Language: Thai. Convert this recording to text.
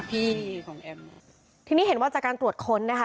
พี่ของแอมทีนี้เห็นว่าจากการตรวจค้นนะคะ